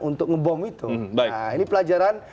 untuk ngebom itu nah ini pelajaran